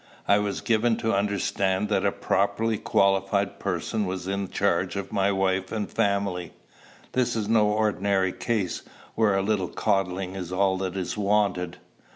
"I was given to understand that a properly qualified person was in charge of my wife and family. This is no ordinary case, where a little coddling is all that is wanted."